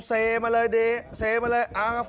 เซมาเลยเซมาเลยอ้าวครับ